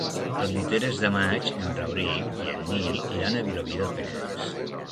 El vint-i-tres de maig en Rauric i en Nil iran a Vilobí del Penedès.